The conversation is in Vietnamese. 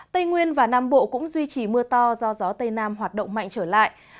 tây nguyên và nam bộ cũng duy trì mưa to do gió tây nam hoạt động mạnh trở lại